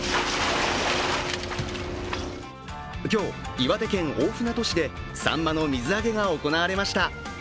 今日、岩手県大船市でさんまの水揚げが行われました。